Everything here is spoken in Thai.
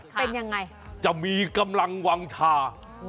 เป็นยังไงจะมีกำลังวางชา